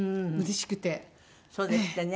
そうですってね。